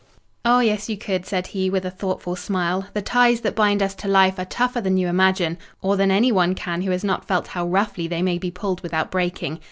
"Oh, yes, you could," said he, with a thoughtful smile. "The ties that bind us to life are tougher than you imagine, or than anyone can who has not felt how roughly they may be pulled without breaking.